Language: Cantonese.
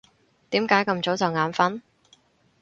點解咁早就眼瞓？